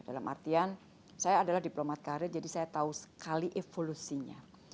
dalam artian saya adalah diplomat karir jadi saya tahu sekali evolusinya